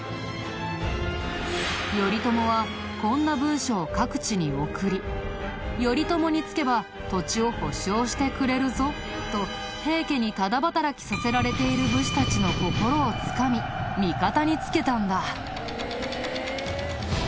頼朝はこんな文書を各地に送り「頼朝につけば土地を保証してくれるぞ」と平家にタダ働きさせられている武士たちの心をつかみ味方につけたんだ。